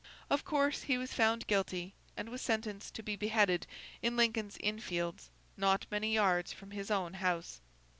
Of course, he was found guilty, and was sentenced to be beheaded in Lincoln's Inn fields, not many yards from his own house.